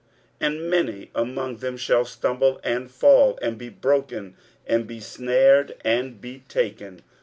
23:008:015 And many among them shall stumble, and fall, and be broken, and be snared, and be taken.